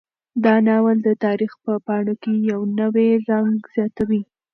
دا ناول د تاریخ په پاڼو کې یو نوی رنګ زیاتوي.